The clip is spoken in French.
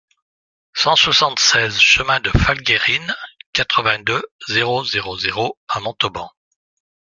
cent soixante-seize chemin de Falgayrines, quatre-vingt-deux, zéro zéro zéro à Montauban